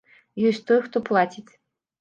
Ёсць той, хто плаціць.